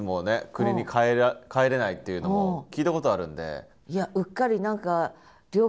国に帰れないっていうのも聞いたことあるんで。